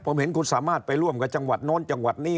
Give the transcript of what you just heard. ผมเห็นคุณสามารถไปร่วมกับจังหวัดโน้นจังหวัดนี้